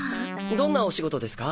どんなお仕事ですか？